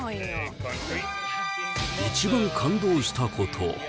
一番感動したこと。